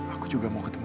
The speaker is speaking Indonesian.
aku juga mau ketemu kamu